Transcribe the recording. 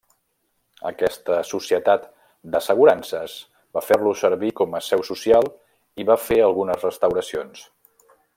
Aquesta societat d'assegurances va fer-lo servir com a seu social i va fer algunes restauracions.